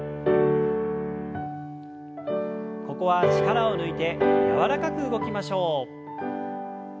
ここは力を抜いて柔らかく動きましょう。